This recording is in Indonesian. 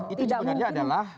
itu sebenarnya adalah